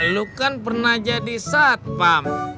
lu kan pernah jadi satpam